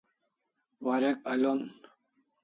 Warek al'on